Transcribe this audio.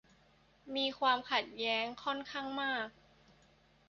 มีความขัดแย้งค่อนข้างมาก